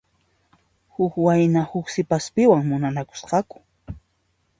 Huk wayna huk sipaspiwan munakusqaku.